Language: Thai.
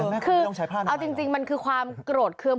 แม่คุณไม่ต้องใช้ผ้าอนามัยเหรอเอาจริงมันคือความโกรธเครื่อง